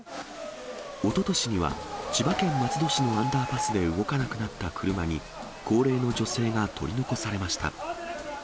おととしには、千葉県松戸市のアンダーパスで動かなくなった車に、高齢の女性が取り残されました。